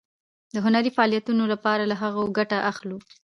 د هنري فعالیتونو لپاره له هغو ګټه اخلو.